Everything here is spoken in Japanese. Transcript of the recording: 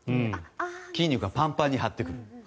筋肉がパンパンに張ってくる。